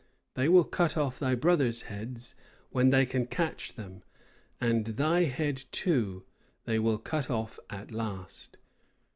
They will cut off thy brothers' heads, when they can catch them! And thy head, too they will cut off at last!